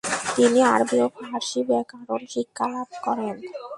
তিনি আরবি ও ফারসি ব্যাকরণ শিক্ষালাভ করেন।